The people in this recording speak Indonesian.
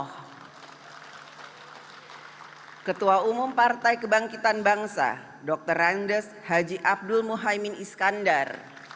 ketua umum partai kebangkitan bangsa dr randes haji abdul muhaymin iskandar